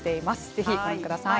ぜひ、ご覧ください。